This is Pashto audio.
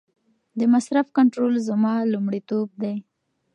د مصرف کنټرول زما لومړیتوب دی.